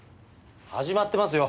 始まってますよ！